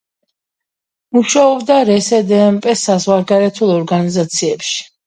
მუშაობდა რსდმპ საზღვარგარეთულ ორგანიზაციებში.